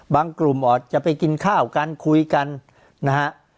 กลุ่มอาจจะไปกินข้าวกันคุยกันนะฮะ